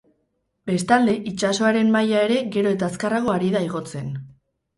Bestalde, itsasoaren maila ere gero eta azkarrago ari da igotzen.